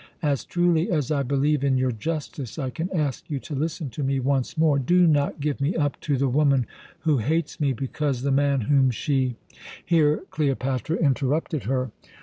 As truly as I believe in your justice, I can ask you to listen to me once more. Do not give me up to the woman who hates me because the man whom she " Here Cleopatra interrupted her.